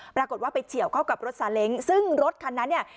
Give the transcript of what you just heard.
ปรากฏว่าไปเฉียวเข้ากับรถซาเล้งซึ่งรถคันนั้นเนี่ย